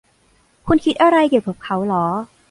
คุณคิดอะไรเกี่ยวกับเขาหรอ